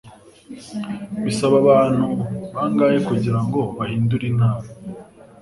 Bisaba abantu bangahe kugirango bahindure itara?